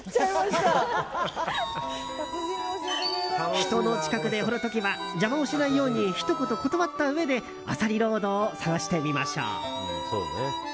人の近くで掘る時は邪魔をしないようにひと言断ったうえでアサリロードを探してみましょう。